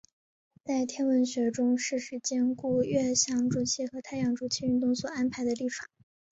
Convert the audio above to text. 在天文学中是指兼顾月相周期和太阳周期运动所安排的历法。